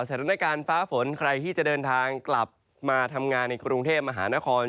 สถานการณ์ฟ้าฝนใครที่จะเดินทางกลับมาทำงานในกรุงเทพมหานคร